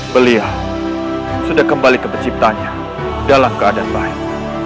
belia sudah kembali ke penciptanya dalam keadaan baik